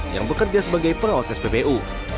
yang bekerja sebagai pengawas spbu